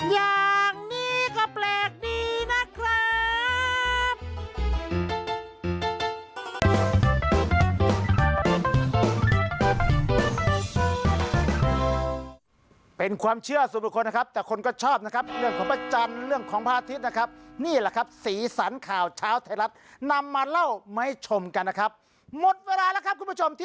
อย่างนี้ก็แปลกดีนะครับ